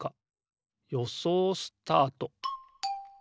よそうスタート！